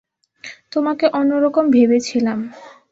তোমাকে অন্যরকম ভেবেছিলাম।